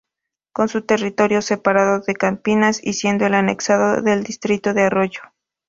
Con su territorio separado de Campinas y siendo al anexado el distrito de Arroyo.